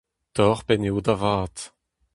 Torr-penn eo da vat.